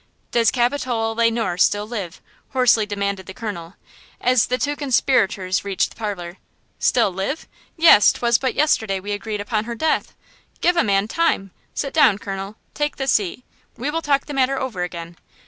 "Does Capitola Le Noir still live?" hoarsely demanded the colonel, as the two conspirators reached the parlor. "Still live? Yes; 'twas but yesterday we agreed upon her death! Give a man time! Sit down, colonel! Take this seat. We will talk the matter over again."